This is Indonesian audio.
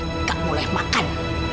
kamu gak boleh makan